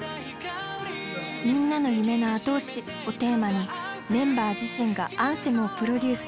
「みんなの夢の後押し」をテーマにメンバー自身がアンセムをプロデュース。